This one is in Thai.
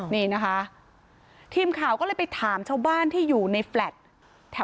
นี่นะคะทีมข่าวก็เลยไปถามชาวบ้านที่อยู่ในแฟลต์